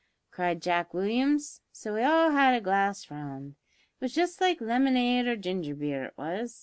cried Jack Williams, so we all had a glass round. It was just like lemonade or ginger beer, it was.